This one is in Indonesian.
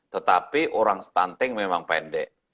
tetapi orang stunting memang pendek